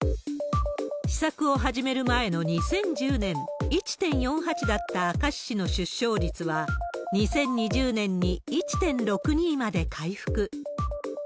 施策を始める前の２０１０年、１．４８だった明石市の出生率は、２０２０年に１．６２まで回復。